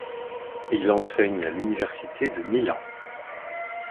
Il enseigne à l'université de Milan.